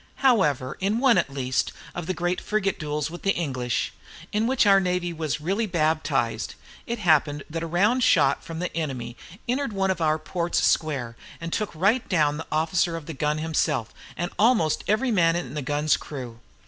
However, in one, at least, of the great frigate duels with the English, in which the navy was really baptized, [Note 8] it happened that a round shot from the enemy entered one of our ports square, and took right down the officer of the gun himself, and almost every man of the gun's crew.